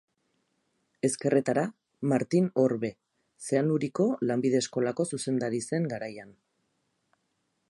Ezkerretara, Martin Orbe, Zeanuriko lanbide eskolako zuzendari zen garaian.